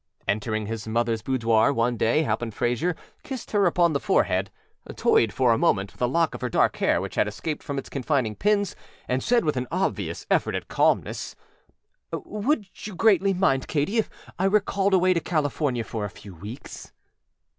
Entering his motherâs boudoir one day Halpin Frayser kissed her upon the forehead, toyed for a moment with a lock of her dark hair which had escaped from its confining pins, and said, with an obvious effort at calmness: âWould you greatly mind, Katy, if I were called away to California for a few weeks?